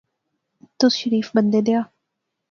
تس شریف بندے دیا